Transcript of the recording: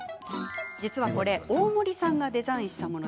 実はこれ大森さんがデザインしたもの。